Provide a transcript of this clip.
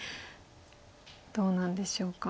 どうなんでしょうか。